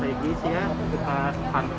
kedua rasanya jujurnya enak